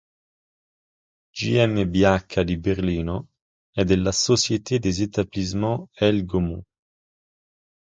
GmbH di Berlino e dalla Société des Etablissements L. Gaumont.